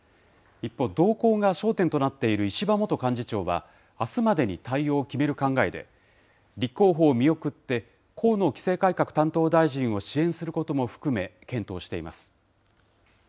一方、動向が焦点となっている石破元幹事長は、あすまでに対応を決める考えで、立候補を見送って、河野規制改革担当大臣を支援することも含め、検討しています。